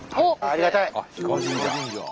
ありがたい！